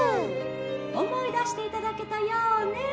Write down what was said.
「おもいだしていただけたようね。